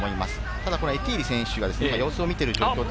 ただエティーリ選手、様子を見ている。